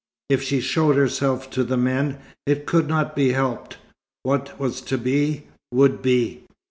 If she showed herself to the men, it could not be helped. What was to be, would be.